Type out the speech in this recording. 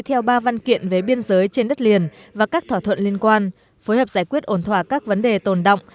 theo ba văn kiện về biên giới trên đất liền và các thỏa thuận liên quan phối hợp giải quyết ổn thỏa các vấn đề tồn động